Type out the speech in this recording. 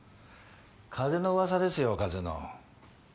風の噂ですよ風の。